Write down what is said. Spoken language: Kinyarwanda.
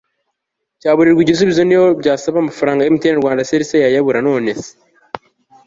cyaburirwa igisubizo, n'iyo byasaba amafranga, mtn rwanda cell se yayabura ? none se